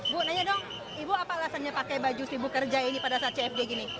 bu nanya dong ibu apa alasannya pakai baju sibuk kerja ini pada saat cfd gini